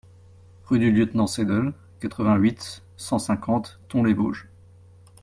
Rue du Lieutenant Seidel, quatre-vingt-huit, cent cinquante Thaon-les-Vosges